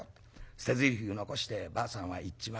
捨てぜりふ残してばあさんは行っちまう。